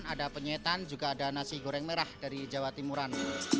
ada penyetan juga ada nasi goreng merah dari jawa timuran